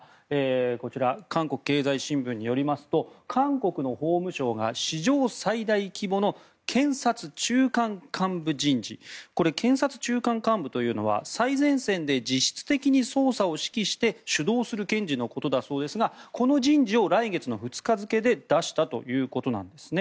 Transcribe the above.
こちら韓国経済新聞によりますと韓国の法務省が史上最大規模の検察中間幹部人事これ、検察中間幹部というのは最前線で実質的に捜査を指揮して主導する検事のことだそうですがこの人事を来月の２日付で出したということなんですね。